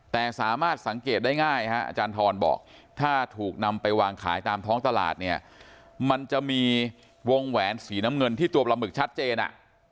แต่สามารถสังเกตได้ง่ายฮะอาจารย์ทรบอกถ้าถูกนำไปวางขายตามท้องตลาดเนี่ยมันจะมีวงแหวนสีน้ำเงินที่ตัวปลาหมึกชัดเจน